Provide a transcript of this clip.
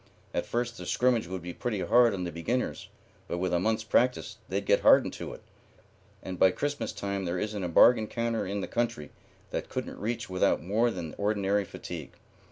At first the scrimmage would be pretty hard on the beginners, but with a month's practice they'd get hardened to it, and by Christmas time there isn't a bargain counter in the country they couldn't reach without more than ordinary fatigue.